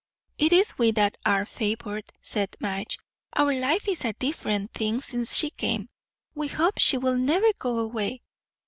"It is we that are favoured," said Madge. "Our life is a different thing since she came. We hope she will never go away."